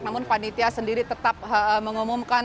namun panitia sendiri tetap mengumumkan